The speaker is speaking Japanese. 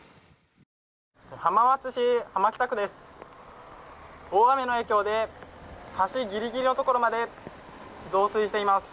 浜松市浜北区です。